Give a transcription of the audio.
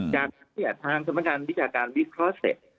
จากทางสำนักงานวิชาการวิเคราะห์เสร็จ